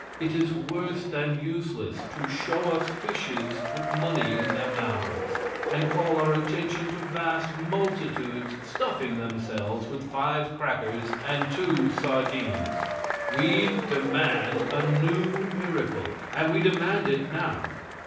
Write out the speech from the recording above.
It is worse than useless to show us fishes with money in their mouths, and call our attention to vast multitudes stuffing themselves with five crackers and two sardines. We demand a new miracle and we demand it now.